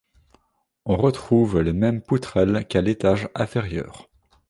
On retrouve les mêmes poutrelles qu'à l'étage inférieur.